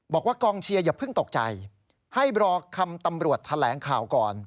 บอกว่ากองเชียร์อย่าเพิ่งตกใจให้รอคำตำรวจแถลงข่าวก่อน